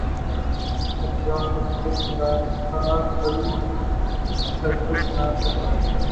سبزۂ خط سے ترا کاکل سرکش نہ دبا